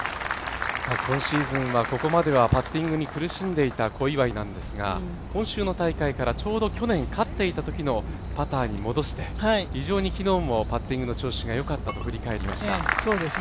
今シーズンはここまではパッティングに苦しんでいた小祝なんですが今週の大会からちょうど去年勝っていたときのパターに戻して非常に昨日も、パッティングの調子がよかったと振り返りました。